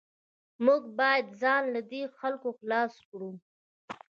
موږ باید ځان له دې خلکو خلاص کړو